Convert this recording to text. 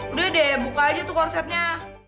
udah deh buka aja tuh konsepnya